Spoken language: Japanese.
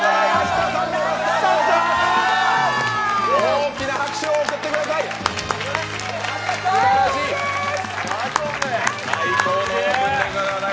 大きな拍手を送ってください。